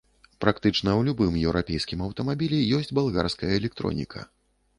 Практычна ў любым еўрапейскім аўтамабілі ёсць балгарская электроніка.